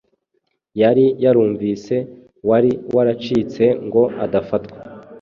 yari yarumvise wari waracitse ngo adafatwa.